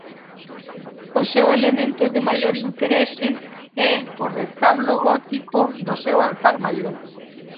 O seu elemento de maior interese é o retablo gótico do seu altar maior.